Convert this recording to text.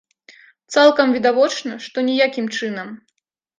Цалкам відавочна, што ніякім чынам.